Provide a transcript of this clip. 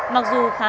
mặc dù khá sợ hãi